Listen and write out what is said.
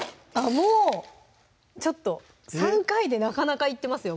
もうちょっと３回でなかなかいってますよ